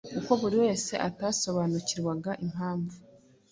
kuko buri wese atasobanukirwaga impamvu